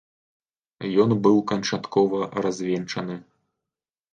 Ён быў канчаткова развенчаны.